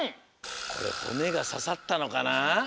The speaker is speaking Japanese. これほねがささったのかな？